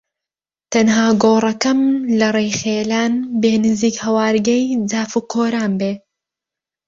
تەنها گۆڕەکەم لە ڕێی خیڵان بێ نزیک هەوارگەی جاف و کۆران بێ